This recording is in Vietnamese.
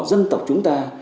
dân tộc chúng ta